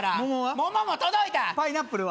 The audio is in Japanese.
桃も届いたパイナップルは？